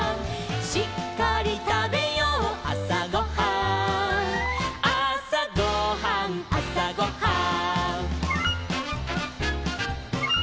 「しっかりたべようあさごはん」「あさごはんあさごはん」